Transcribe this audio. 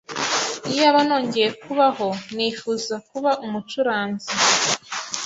Iyaba nongeye kubaho, nifuza kuba umucuranzi.